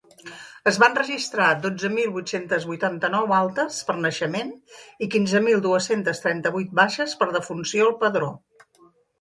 Es van registrar dotze mil vuit-centes vuitanta-nou altes per naixement i quinze mil dues-centes trenta-vuit baixes per defunció al padró.